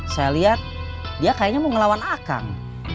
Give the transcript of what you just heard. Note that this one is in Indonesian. saya lihat dia kayaknya mau ngelawan akang